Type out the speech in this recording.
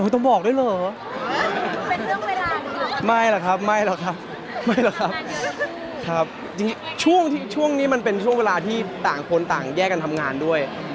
ต้องบอกด้วยเหรอไม่หรือครับไม่หรือครับช่วงนี้มันเป็นช่วงเวลาที่ต่างคนต่างแยกกันทำงานด้วย